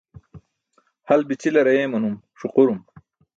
Hal bi̇ćilar ayeemanum ṣuqurum.